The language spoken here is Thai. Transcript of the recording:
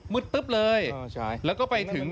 ตึ๊บเลยแล้วก็ไปถึง